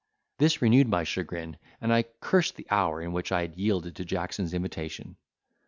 This renewed my chagrin, and I cursed the hour in which I had yielded to Jackson's invitation.